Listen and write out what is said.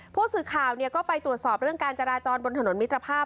ผู้สื่อข่าวก็ไปตรวจสอบเรื่องการจราจรบนถนนมิตรภาพ